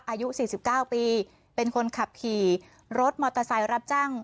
อายุสี่สิบเก้าปีเป็นคนขับขี่รถมอเตอร์ไซล์รับจ้าง